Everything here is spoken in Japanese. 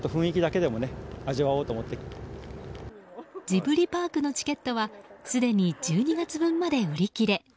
ジブリパークのチケットはすでに１２月分まで売り切れ。